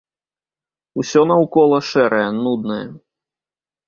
Усё наўкола шэрае, нуднае.